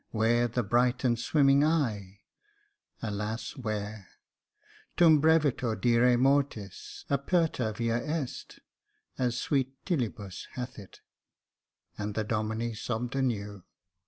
where the bright and swimming eye ? Alas ! where ?* Turn hreviter dira mortis aperta via est^ as sweet Tibullus hath it j " and the Domine sobbed anew.